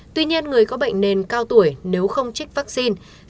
tuy nhiên người có bệnh nền cao tuổi nếu không trích vaccine